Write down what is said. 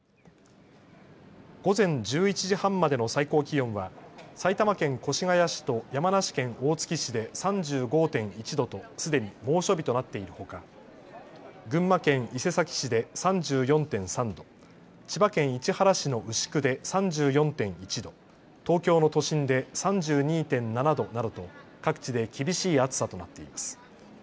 午前１１時半までの最高気温は埼玉県越谷市と山梨県大月市で３５．１度とすでに猛暑日となっているほか群馬県伊勢崎市で３４．３度、千葉県市原市の牛久で３４．１度、東京の都心で３２．７度などと各地で厳しい暑さとなっています。